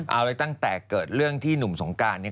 เอาเลยตั้งแต่เกิดเรื่องที่หนุ่มสงการเนี่ย